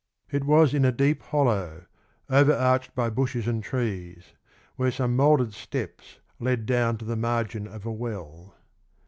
It was 17 in a deep hollow, overarched by bushes and trees, where some mouldered steps led down to the margin of a well (870).